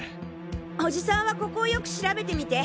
おじさんはここをよく調べてみて。